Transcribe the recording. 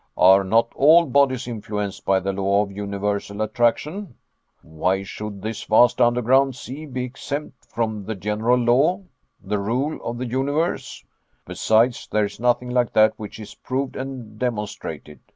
Are not all bodies influenced by the law of universal attraction? Why should this vast underground sea be exempt from the general law, the rule of the universe? Besides, there is nothing like that which is proved and demonstrated.